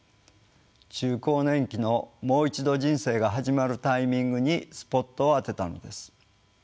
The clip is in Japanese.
中高年期の「もう一度人生が始まるタイミング」にスポットを当てたのです。